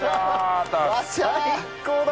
最高だ！